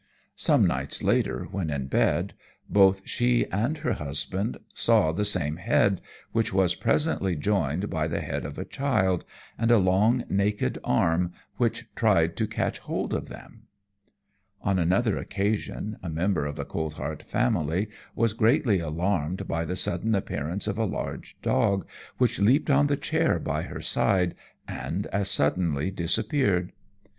Some nights later, when in bed, both she and her husband saw the same head, which was presently joined by the head of a child, and a long, naked arm, which tried to catch hold of them. On another occasion, a member of the Coltheart family was greatly alarmed by the sudden appearance of a large dog, which leaped on the chair by her side, and as suddenly disappeared.